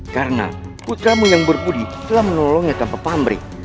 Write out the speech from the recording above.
karena putramu yang berbudi telah menolongnya tanpa pamrih